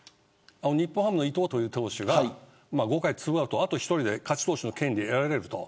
日本ハムの伊藤という投手が５回２アウトあと１つで勝ち投手の権利を得られると。